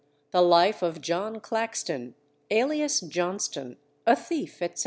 The Life of JOHN CLAXTON, alias JOHNSTON, a Thief, etc.